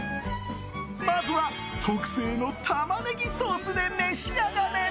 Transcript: まずは特製のタマネギソースで召し上がれ。